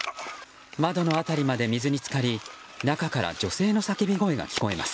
窓の辺りまで水に浸かり中から女性の叫び声が聞こえます。